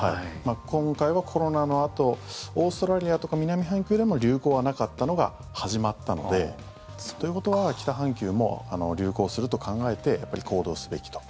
今回はコロナのあとオーストラリアとか南半球でも流行がなかったのが始まったのでということは北半球も流行すると考えて行動すべきと。